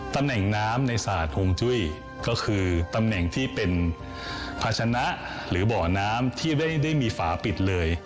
ตำแหน่งน้ำในสาดหงจุ้ยก็คือตำแหน่งที่เป็นภาชนะหรือบ่อน้ำที่ไม่ได้มีฝาปิดเลย